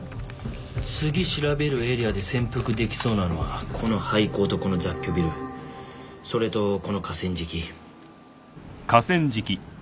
次調べるエリアで潜伏できそうなのはこの廃校とこの雑居ビルそれとこの河川敷。